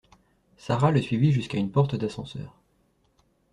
Sara le suivi jusqu’à une porte d’ascenseur.